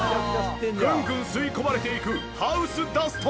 ぐんぐん吸い込まれていくハウスダスト。